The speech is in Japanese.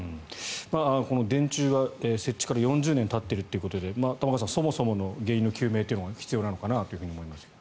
この電柱が設置から４０年たっているということで玉川さん、そもそもの原因の究明が必要なのかなと思います。